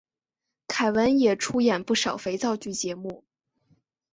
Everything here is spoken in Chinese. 凯文也出演不少肥皂剧节目。